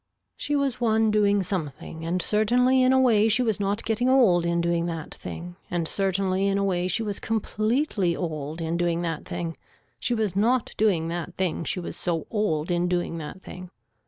She was one doing something and certainly in a way she was not getting old in doing that thing and certainly in a way she was completely old in doing that thing, she was not doing that thing she was so old in doing that thing.